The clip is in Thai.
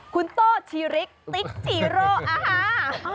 คุณโต้ชีริกติ๊กซีโร่อาหาร